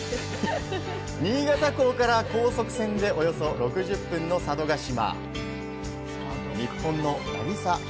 新潟港から高速船でおよそ６０分の佐渡島。